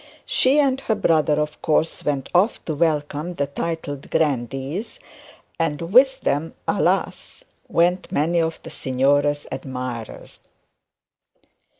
She and her brother of course went off to welcome the titled grandee, and with them, alas, went many of the signora's admirers.